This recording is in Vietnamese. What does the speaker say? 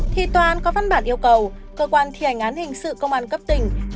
thì tòa án có văn bản yêu cầu cơ quan thi hành án hình sự công an cấp tỉnh